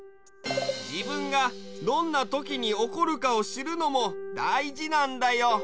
じぶんがどんなときにおこるかをしるのもだいじなんだよ。